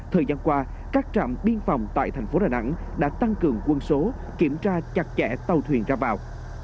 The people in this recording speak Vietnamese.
thời gian qua các trạm biên phòng tại thành phố đà nẵng đã tăng cường quân số kiểm tra chặt chẽ tàu thuyền ra vào